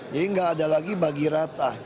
jadi nggak ada lagi bagiran